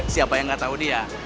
siapa yang gak tau dia